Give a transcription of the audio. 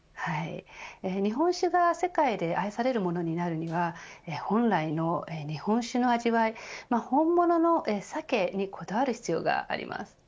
日本酒が世界で愛されるものになるには本来の日本酒の味わい本物のＳＡＫＥにこだわる必要があります。